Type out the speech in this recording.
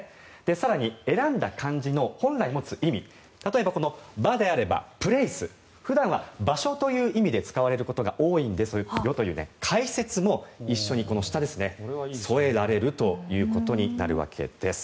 更に、選んだ漢字の本来持つ意味例えば、この場であればプレース普段は場所という意味で使われることが多いんですよという解説も一緒に添えられるということになるわけです。